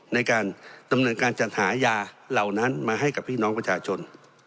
ในการดำเนินการจัดหายาเหล่านั้นมาให้กับพี่น้องประชาชน